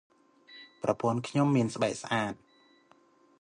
ប្រពន្ធខ្ញុំមានស្បែកស្អាត។